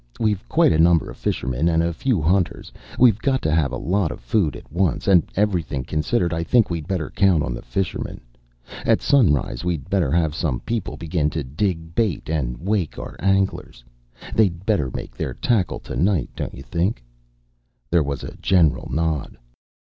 We've quite a number of fishermen, and a few hunters. We've got to have a lot of food at once, and everything considered, I think we'd better count on the fishermen. At sunrise we'd better have some people begin to dig bait and wake our anglers. They'd better make their tackle to night, don't you think?" There was a general nod.